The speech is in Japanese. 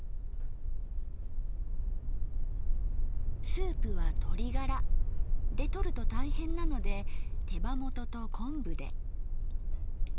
スープは鶏ガラでとると大変なので手羽元と昆布で。